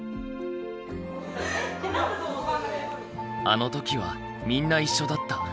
あの時はみんな一緒だった。